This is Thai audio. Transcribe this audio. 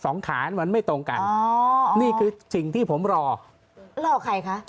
สองฐานมันไม่ตรงกันนี่คือสิ่งที่ผมรอรอไขค่ะ